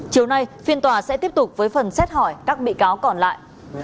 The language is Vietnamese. chiều nay phiên tòa sẽ tiếp tục với phần xét hỏi các bị cáo còn lại